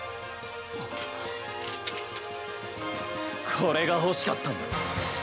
これが欲しかったんだろ。